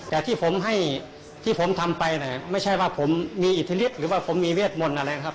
แต่ที่ผมทำไปไม่ใช่ว่าผมมีอิทธิฤทธิ์หรือว่าผมมีเวทมนต์อะไรนะครับ